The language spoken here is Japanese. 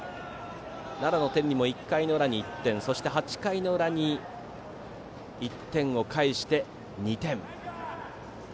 奈良の天理も１回の裏に１点そして８回の裏に１点を返して２点。